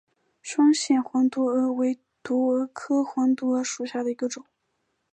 双线黄毒蛾为毒蛾科黄毒蛾属下的一个种。